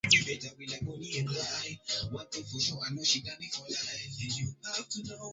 Mamia ya wanajeshi kutoka kitengo cha anga namba themanini na mbili cha Marekani